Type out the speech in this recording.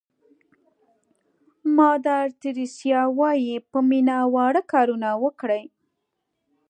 مادر تریسیا وایي په مینه واړه کارونه وکړئ.